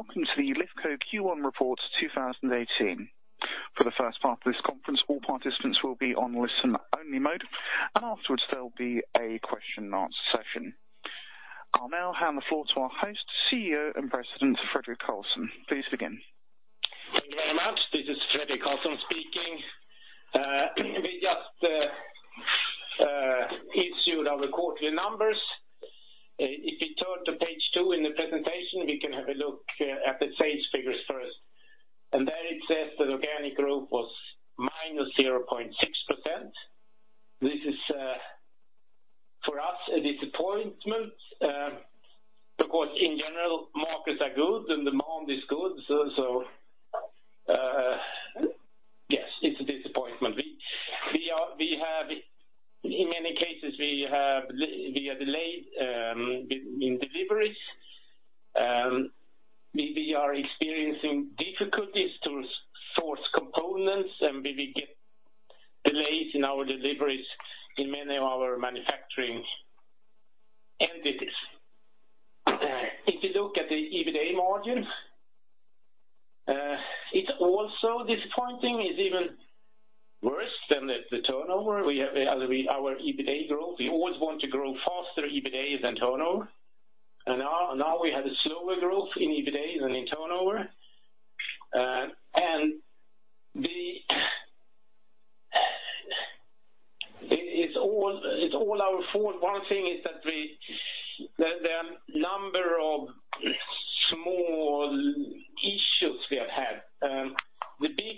Welcome to the Lifco Q1 Report 2018. For the first part of this conference, all participants will be on listen-only mode, and afterwards there will be a question and answer session. I'll now hand the floor to our host, CEO and President, Fredrik Karlsson. Please begin. Thank you very much. This is Fredrik Karlsson speaking. We just issued our quarterly numbers. If you turn to page two in the presentation, we can have a look at the sales figures first. There it says that organic growth was minus 0.6%. This is, for us, a disappointment, because in general, markets are good and demand is good, yes, it's a disappointment. In many cases, we are delayed in deliveries. We are experiencing difficulties to source components, and we get delays in our deliveries in many of our manufacturing entities. If you look at the EBITA margin, it's also disappointing. It's even worse than the turnover, our EBITA growth. We always want to grow faster EBITA than turnover. Now we had a slower growth in EBITA than in turnover. It's all our fault. One thing is that there are a number of small issues we have had.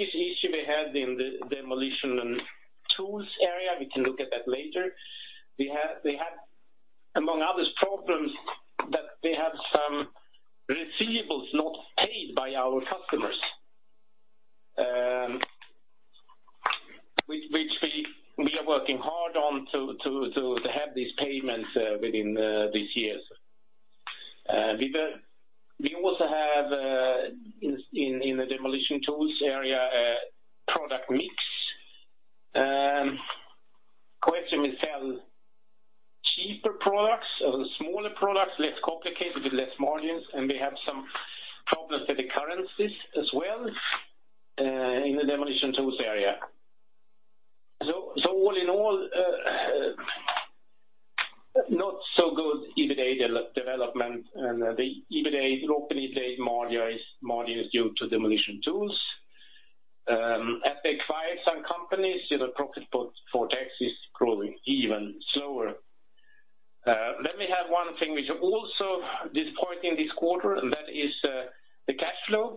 The biggest issue we had in the Demolition & Tools area, we can look at that later. We had, among other problems, that we had some receivables not paid by our customers, which we are working hard on to have these payments within this year. We also have, in the Demolition & Tools area, a product mix question. We sell cheaper products and smaller products, less complicated with less margins, and we have some problems with the currencies as well in the Demolition & Tools area. All in all, not so good EBITA development, and the operating EBITA margin is due to Demolition & Tools. As they acquired some companies, so the profit before tax is growing even slower. We have one thing which is also disappointing this quarter, and that is the cash flow,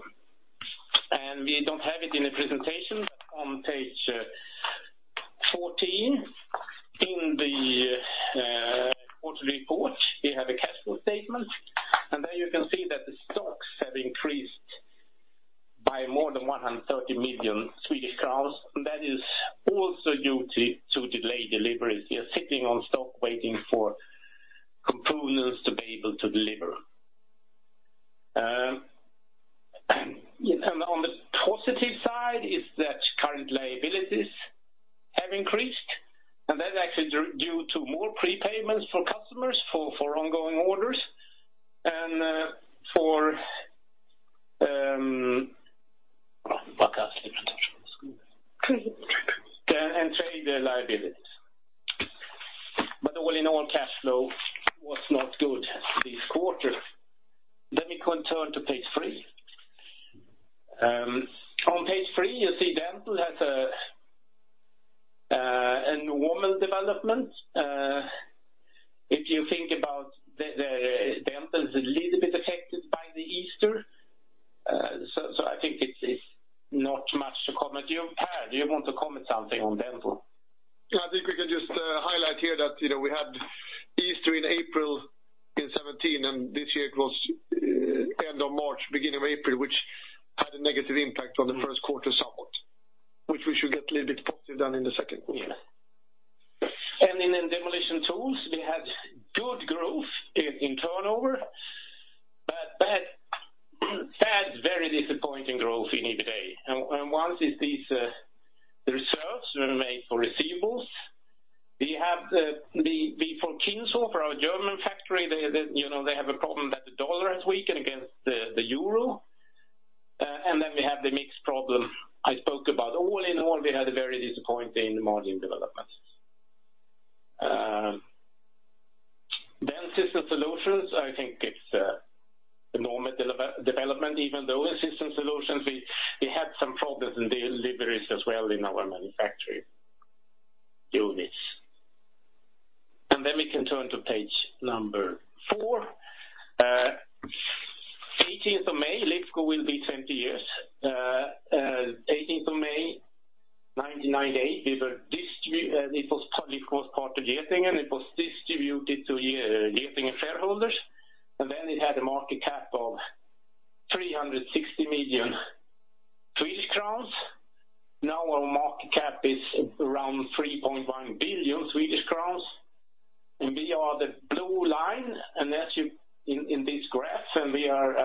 and we don't have it in the presentation. On page 14 in the quarterly report, we have a cash flow statement, and there you can see that the stocks have increased by more than 130 million Swedish crowns, and that is also due to delayed deliveries. We are sitting on stock waiting for components to be able to deliver. On the positive side is that current liabilities have increased, and that is actually due to more prepayments from customers for ongoing orders and trade liabilities. All in all, cash flow was not good this quarter. Let me turn to page three. On page three, you see Dental has a normal development. If you think about Dental is a little bit affected by Easter, I think it is not much to comment. Per, do you want to comment something on Dental? I think we can just highlight here that we had Easter in April 2017, this year it was end of March, beginning of April, which had a negative impact on the first quarter somewhat, which we should get a little bit positive than in the second quarter. Yes. In Demolition & Tools, we had good growth in turnover, but had very disappointing growth in EBITA. One is these reserves were made for receivables. We have for Kinshofer, for our German factory, they have a problem that the dollar has weakened against the euro, we have the mix problem I spoke about. All in all, we had a very disappointing margin development. Systems Solutions, I think it's a normal development, even though in Systems Solutions, we had some problems in deliveries as well in our manufacturing units. Then we can turn to page number four. 18th of May, Lifco will be 20 years. 18th of May 1998, it was public, was part of Getinge, it was distributed to Getinge shareholders, it had a market cap of 360 million Swedish crowns. Now our market cap is around 3.1 billion Swedish crowns, we are the blue line in this graph, we have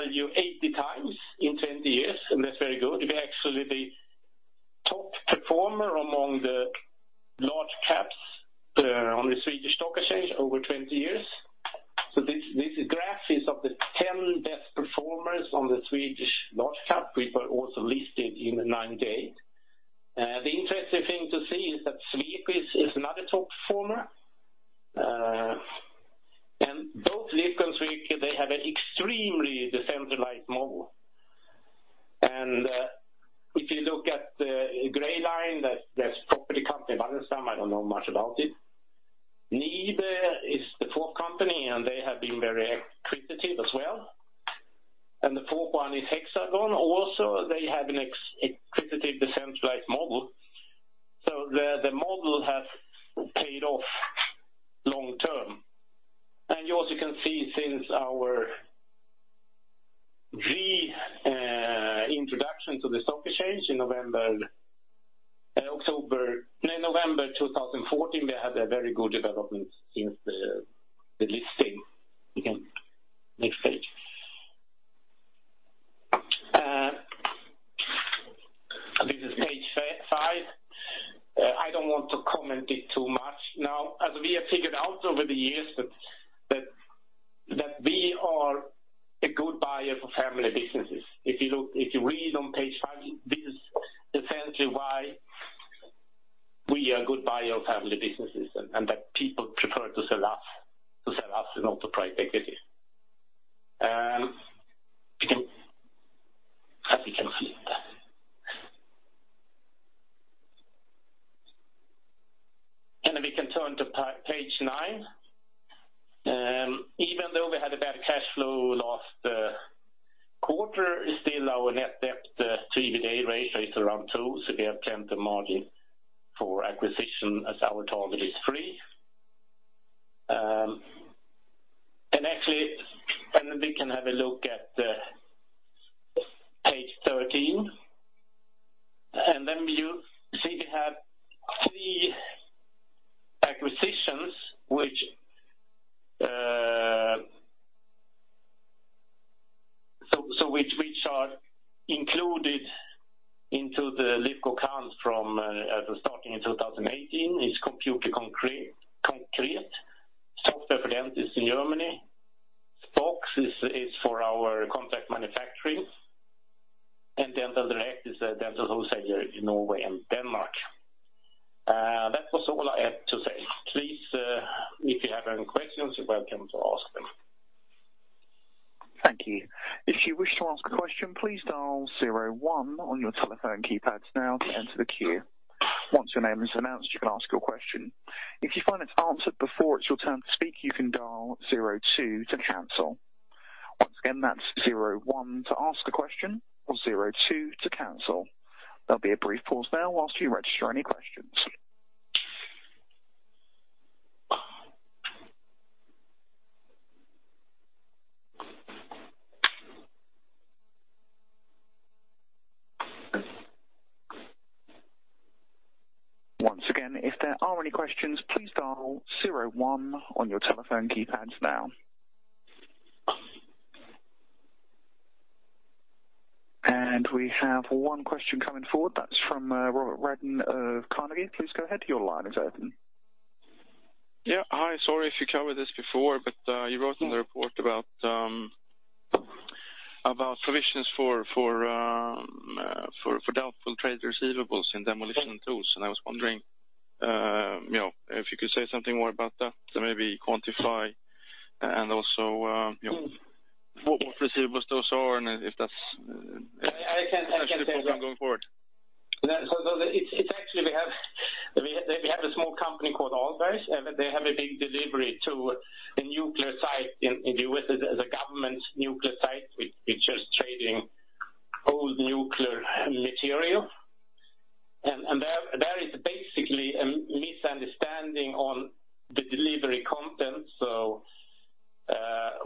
80 times in 20 years, that's very good. We're actually the top performer among the large caps on the Swedish Stock Exchange over 20 years. This graph is of the 10 best performers on the Swedish large cap. We were also listed in 1998. The interesting thing to see is that Sweco is another top performer. Both Lifco and Sweco, they have an extremely decentralized model. If you look at the gray line, that's property company Balder, I don't know much about it. NIBE is the fourth company, they have been very acquisitive as well. The fourth one is Hexagon. Also, they have an acquisitive decentralized model. The model has paid off long term. You also can see since our reintroduction to the stock exchange in November 2014, we have a very good development since the listing began. Next page. This is page five. I do not want to comment it too much. Now, as we have figured out over the years that we are a good buyer for family businesses. If you read on page five, this is essentially why we are a good buyer of family businesses and that people prefer to sell us than to private equity. We can flip. Then we can turn to page nine. Even though we had a bad cash flow last quarter, still our net debt to EBITA ratio is around two, so we have plenty margin for acquisition as our target is three. Actually, then we can have a look at page 13. Then you see we have three acquisitions which are included into the Lifco accounts from starting in 2018, is Computer konkret. Software Products is in Germany. Spocs is for our contract manufacturing. Dental Direct is a dental wholesaler in Norway and Denmark. That was all I had to say. Please, if you have any questions, you are welcome to ask them. Thank you. If you wish to ask a question, please dial 01 on your telephone keypads now to enter the queue. Once your name is announced, you can ask your question. If you find it is answered before it is your turn to speak, you can dial 02 to cancel. Once again, that is 01 to ask a question or 02 to cancel. There will be a brief pause now whilst you register any questions. Once again, if there are any questions, please dial 01 on your telephone keypads now. We have one question coming forward. That is from Robert Radin of Carnegie. Please go ahead, your line is open. Hi, sorry if you covered this before, you wrote in the report about provisions for doubtful trade receivables in Demolition & Tools, and I was wondering if you could say something more about that, maybe quantify and also what receivables those are. I can take that going forward. We have a small company called Aalbergs. They have a big delivery to a nuclear site in the U.S. It's a government nuclear site which is trading old nuclear material. There is basically a misunderstanding on the delivery content.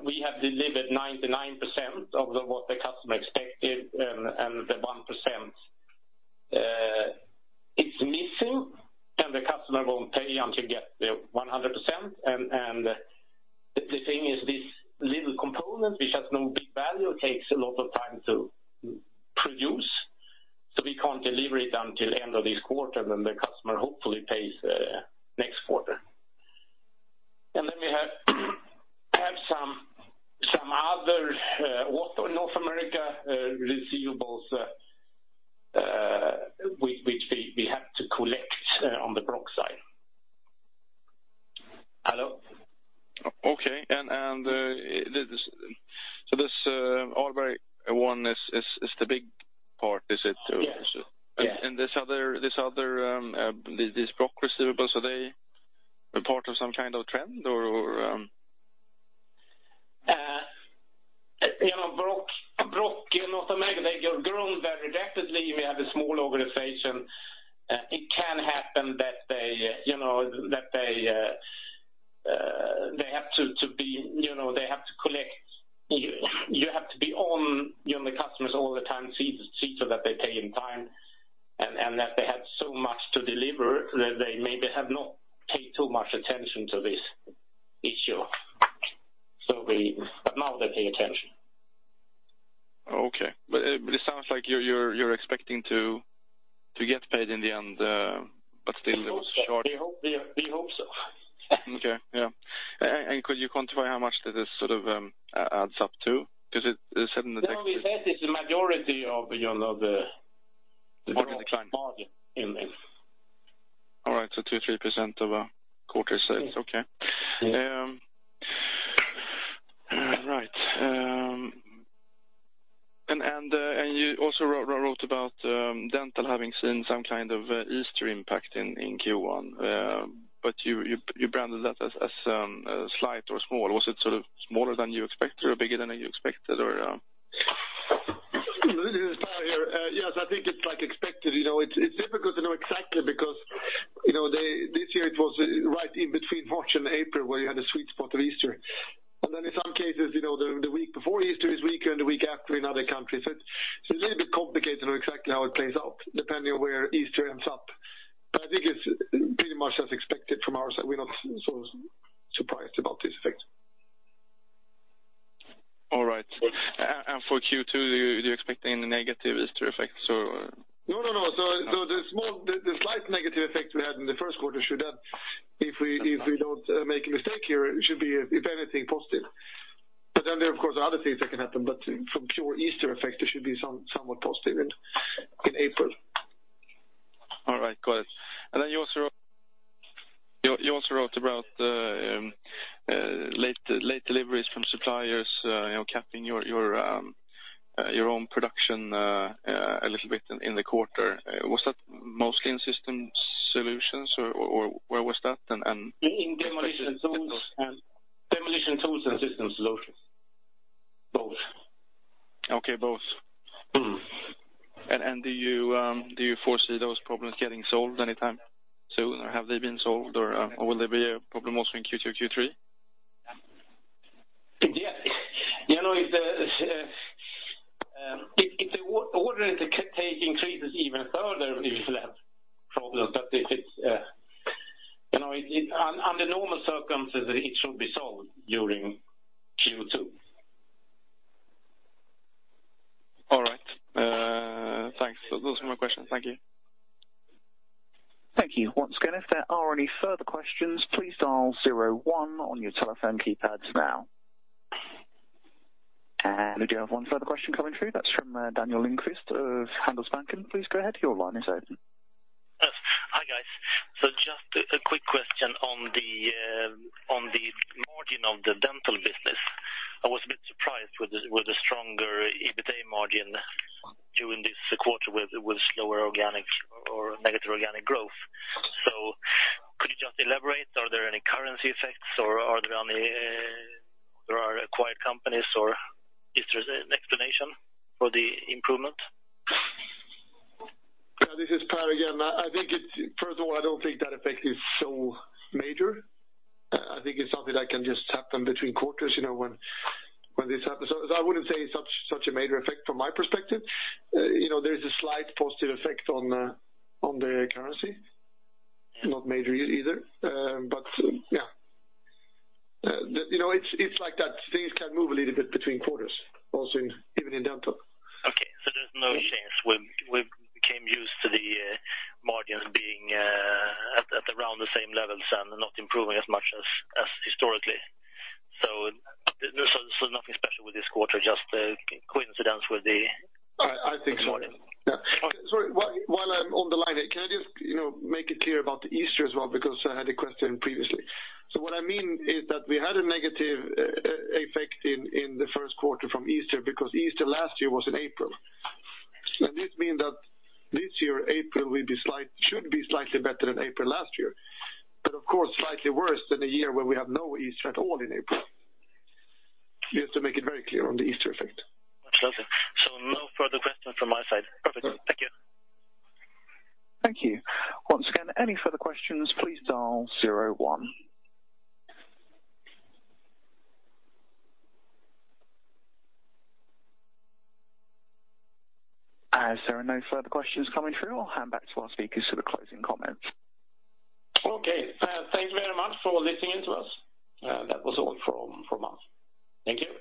We have delivered 99% of what the customer expected, the 1% is missing, and the customer won't pay until we get the 100%. The thing is this little component, which has no big value, takes a lot of time to produce. We can't deliver it until end of this quarter, then the customer hopefully pays next quarter. Then we have some other water in North America receivables which we have to collect on the Brokk side. Hello? Okay. This Aalbergs one is the big part, is it? Yes. These Brokk receivables, are they a part of some kind of trend or? Brokk in North America, they have grown very rapidly. We have a small organization. It can happen that they have to collect. You have to be on the customers all the time, see to that they pay in time. That they had so much to deliver that they maybe have not paid too much attention to this issue. Now they pay attention. Okay. It sounds like you're expecting to get paid in the end, but still there was a. We hope so. Okay. Yeah. Could you quantify how much that this adds up to? Because it said in the text- No, we said it's the majority of the- Margin decline margin in it. All right. 2%-3% of a quarter sales. Okay. Yeah. All right. You also wrote about Dental having seen some kind of Easter impact in Q1. You branded that as slight or small. Was it smaller than you expected or bigger than you expected or? This is Per here. Yes, I think it is like expected. It is difficult to know exactly because, this year it was right in between March and April where you had the sweet spot of Easter. Then in some cases, the week before Easter is weaker than the week after in other countries. It is a little bit complicated on exactly how it plays out, depending on where Easter ends up. I think it is pretty much as expected from our side. We are not so surprised about this effect. All right. For Q2, you are expecting a negative Easter effect. No. The slight negative effect we had in the first quarter should have, if we don't make a mistake here, it should be, if anything, positive. There are, of course, other things that can happen, but from pure Easter effect, it should be somewhat positive in April. All right. Got it. You also wrote about the late deliveries from suppliers, capping your own production a little bit in the quarter. Was that mostly in Systems Solutions or where was that? In Demolition & Tools and Systems Solutions. Both. Okay, both. Do you foresee those problems getting solved anytime soon, or have they been solved, or will they be a problem also in Q2 or Q3? Yeah. If the order intake increases even further, we will have problems, but under normal circumstances, it should be solved during Q2. All right. Thanks. Those were my questions. Thank you. Thank you. Once again, if there are any further questions, please dial zero one on your telephone keypads now. We do have one further question coming through. That's from Daniel Lindquist of Handelsbanken. Please go ahead. Your line is open. Yes. Hi, guys. Just a quick question on the margin of the Dental business. I was a bit surprised with the stronger EBITDA margin during this quarter with slower organic or negative organic growth. Could you just elaborate, are there any currency effects or are there acquired companies, or is there an explanation for the improvement? Yeah, this is Per again. First of all, I don't think that effect is so major. I think it's something that can just happen between quarters, when this happens. I wouldn't say such a major effect from my perspective. There is a slight positive effect on the currency. Not major either. Yeah. It's like that. Things can move a little bit between quarters, also even in Dental. Okay. There's no change. We became used to the margins being at around the same levels and not improving as much as historically. Nothing special with this quarter, just a coincidence with the- I think so margin. Yeah. Sorry, while I'm on the line there, can I just make it clear about the Easter as well, because I had a question previously. What I mean is that we had a negative effect in the first quarter from Easter, because Easter last year was in April. This mean that this year, April should be slightly better than April last year. Of course, slightly worse than the year where we have no Easter at all in April. Just to make it very clear on the Easter effect. That's lovely. No further question from my side. Perfect. Thank you. Thank you. Once again, any further questions, please dial zero one. As there are no further questions coming through, I'll hand back to our speakers for the closing comments. Okay. Thank you very much for listening in to us. That was all from us. Thank you.